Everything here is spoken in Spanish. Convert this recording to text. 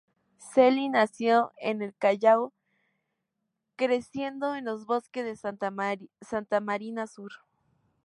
Celi nació en el Callao, creciendo en los bloques de Santa Marina Sur.